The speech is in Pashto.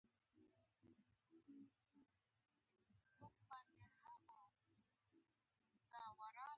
حکومتي چوکۍ ورکړه شوې وه.